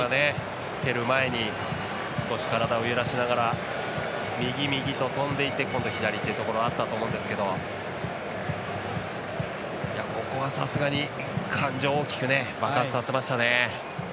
蹴る前に少し体を揺らしながら右、右と跳んでいて今度は左というのがあったと思うんですけどここはさすがに感情を大きく爆発させましたね。